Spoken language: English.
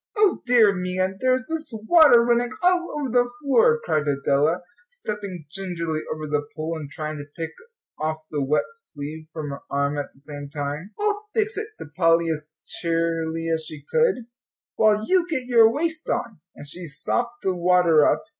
"O dear me, and there's this water running all over the floor," cried Adela, stepping gingerly over the pool, and trying to pick off the wet sleeve from her arm at the same time. "I'll fix it," said Polly, as cheerily as she could, "while you get your waist on." And she sopped the water up.